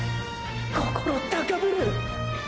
心高ぶる！！